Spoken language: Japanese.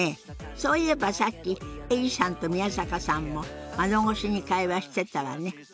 そういえばさっきエリさんと宮坂さんも窓越しに会話してたわね。